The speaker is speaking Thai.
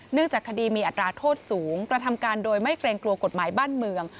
จากคดีมีอัตราโทษสูงกระทำการโดยไม่เกรงกลัวกฎหมายบ้านเมือง